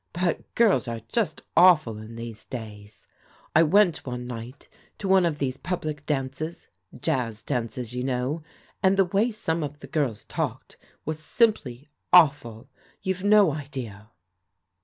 But girls are just awful in these days. I went one night to one of these public dances — jazz dances, you know, and the way some of the girls talked was simply awful. You've no idea.